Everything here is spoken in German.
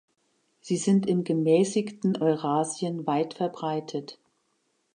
Sie ist im gemäßigten Eurasien weitverbreitet.